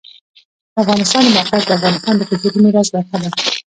د افغانستان د موقعیت د افغانستان د کلتوري میراث برخه ده.